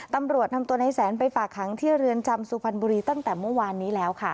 ตำรวจนำตัวในแสนไปฝากหางที่เรือนจำสุพรรณบุรีตั้งแต่เมื่อวานนี้แล้วค่ะ